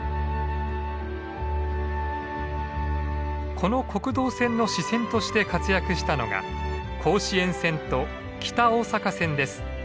この国道線の支線として活躍したのが甲子園線と北大阪線です。